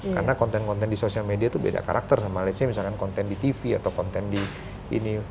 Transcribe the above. karena konten konten di sosial media tuh beda karakter sama misalkan konten di tv atau konten di ini